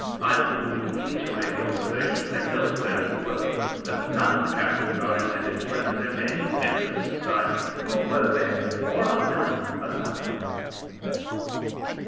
I would reiterate the observation made elsewhere in the work, that none of the characters are intended to represent any members of society who were then, or are now, alive.